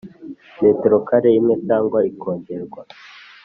metero kare imwe cyangwa ikongerwa